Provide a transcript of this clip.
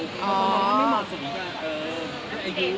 เออคือเขาไม่เหมาะสมีตัว